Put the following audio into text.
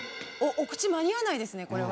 お口間に合わないですねこれは。